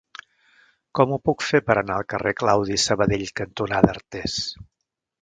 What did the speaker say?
Com ho puc fer per anar al carrer Claudi Sabadell cantonada Artés?